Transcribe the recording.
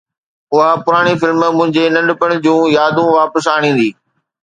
اها پراڻي فلم منهنجي ننڍپڻ جون يادون واپس آڻيندي